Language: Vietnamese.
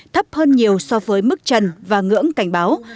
thấp hơn nhiều so với mức trần và ngưỡng cảnh báo